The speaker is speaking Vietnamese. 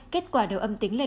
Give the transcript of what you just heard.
kết quả đều âm tính lên một